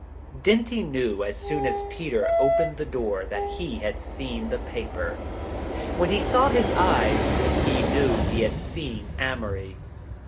Dinty knew as soon as Peter opened the door that he had seen the paper. When he saw his eyes, he knew he had seen Amory.